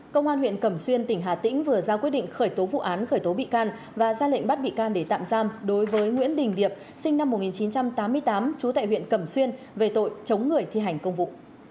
công an huyện cẩm xuyên tỉnh hà tĩnh vừa ra quyết định khởi tố vụ án khởi tố bị can và ra lệnh bắt bị can để tạm giam đối với nguyễn đình điệp sinh năm một nghìn chín trăm tám mươi tám trú tại huyện cẩm xuyên về tội chống người thi hành công vụ